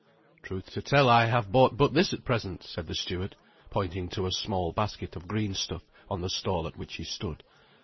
"Truth to tell, I have bought but this at present," said the steward, pointing to a small basket of green stuff on the stall at which he stood.